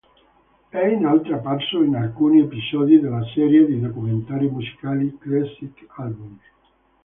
È inoltre apparso in alcuni episodi della serie di documentari musicali "Classic Albums".